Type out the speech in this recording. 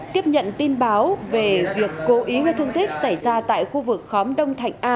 tiếp nhận tin báo về việc cố ý gây thương tích xảy ra tại khu vực khóm đông thạnh a